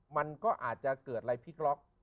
มันก็อาจจะเกิดอะไรพลิกล็อก